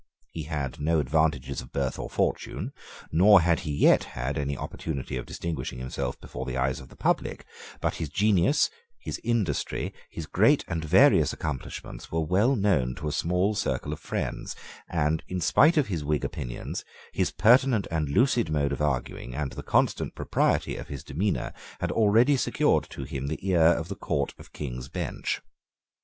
He had no advantages of birth or fortune; nor had he yet had any opportunity of distinguishing himself before the eyes of the public: but his genius, his industry, his great and various accomplishments, were well known to a small circle of friends; and, in spite of his Whig opinions, his pertinent and lucid mode of arguing and the constant propriety of his demeanour had already secured to him the ear of the Court of King's Bench.